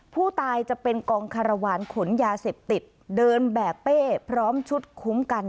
ผู้ตายจะเป็นกองคารวาลขนยาเสพติดเดินแบกเป้พร้อมชุดคุ้มกัน